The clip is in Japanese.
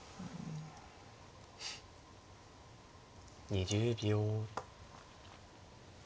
２０秒。